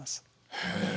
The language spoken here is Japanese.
へえ。